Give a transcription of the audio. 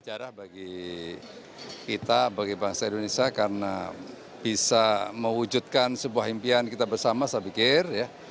sejarah bagi kita bagi bangsa indonesia karena bisa mewujudkan sebuah impian kita bersama saya pikir ya